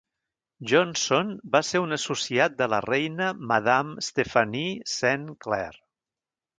Johnson va ser un associat de la Reina Madame Stephanie Saint Clair.